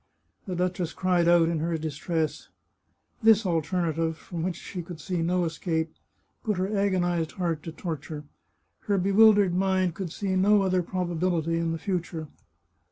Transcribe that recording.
The duchess cried out in her distress. This alternative, from which she could see no escape, put her agonized heart 292 The Chartreuse of Parma to torture. Her bewildered mind could see no other proba bility in the future.